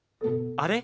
あれ？